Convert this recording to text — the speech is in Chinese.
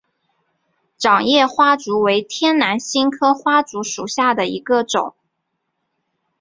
掌叶花烛为天南星科花烛属下的一个种。